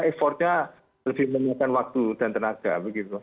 effortnya lebih memakan waktu dan tenaga begitu